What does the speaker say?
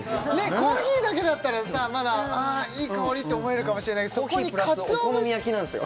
コーヒーだけだったらさまだああいい香りって思えるかもしれないけどそこにコーヒープラスお好み焼きなんすよ